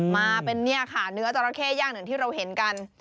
มาเป็นเนี่ยค่ะเนื้อจราเข้ย่างอย่างที่เราเห็นกัน